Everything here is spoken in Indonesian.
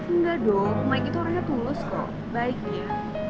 engga dong maik itu orangnya tulus kok baiknya